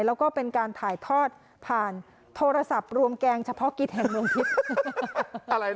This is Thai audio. แล้วก็เป็นการถ่ายทอดผ่านโทรศัพท์รวมแกงเฉพาะกิจแห่งเมืองทิพย์